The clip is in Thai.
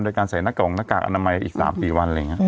โดยการใส่หน้ากล่องหน้ากาศอาณาไนอีก๓๔วันนี้